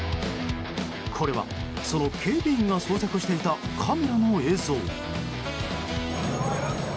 これは、その警備員が装着していたカメラの映像。